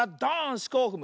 しこをふむ。